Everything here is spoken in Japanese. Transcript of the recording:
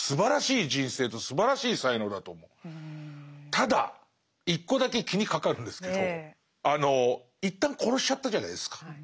ただ一個だけ気にかかるんですけど一旦殺しちゃったじゃないですか。